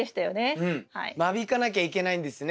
間引かなきゃいけないんですね